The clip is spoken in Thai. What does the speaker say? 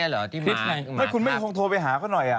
คลิปไหนหมาครับ